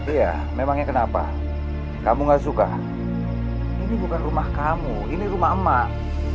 iya memangnya kenapa kamu gak suka ini bukan rumah kamu ini rumah emak emak